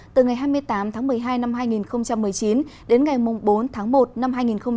từ ngày hai mươi tám tháng một mươi hai năm hai nghìn một mươi chín đến ngày bốn tháng một năm hai nghìn hai mươi